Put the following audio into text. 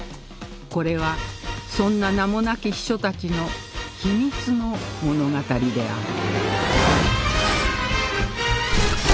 これはそんな名もなき秘書たちの秘密の物語である